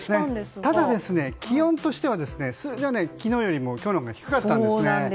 ただ、気温としては昨日よりも今日のほうが低かったんですね。